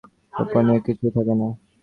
কেবল একজনের কাছে তাহার গোপনীয় কিছুই থাকে না।